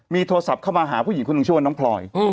มีโทรศัพท์เข้ามาหาผู้หญิงคุณอังชวนน้องพลอย